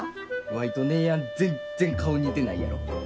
ワイと姉やん全然顔似てないやろ。